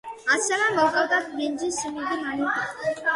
ასევე მოჰყავთ ბრინჯი, სიმინდი, მანიჰოტი.